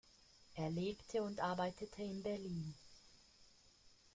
Er lebte und arbeitete in Berlin.